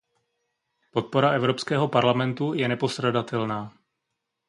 Podpora Evropského parlamentu je nepostradatelná.